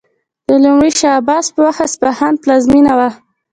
د لومړي شاه عباس په وخت اصفهان پلازمینه و.